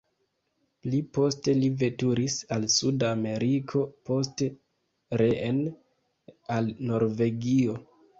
Pli poste li veturis al suda Ameriko, poste reen al Norvegio.